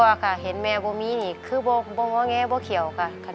ไม่ค่ะเห็นแม่ไม่มีคือไม่เกี่ยวกัน